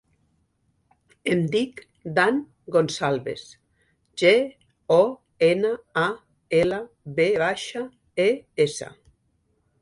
Em dic Dan Gonçalves: ge, o, ena, a, ela, ve baixa, e, essa.